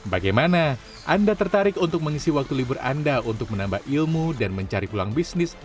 bagaimana anda tertarik untuk mengisi waktu libur anda untuk menambah ilmu dan mencari pulang bisnis